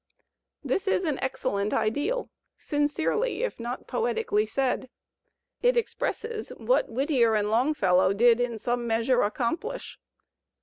This is an excellent ideal, sincerely if not poetically said. It expresses what Whittier and Longfellow did in some measure accomplish.